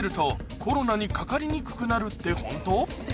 コロナにかかりにくくなるってホント？